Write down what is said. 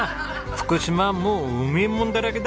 福島はもううめえもんだらけだ。